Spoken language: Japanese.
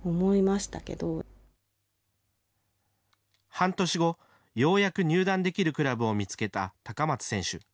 半年後、ようやく入団できるクラブを見つけた高松選手。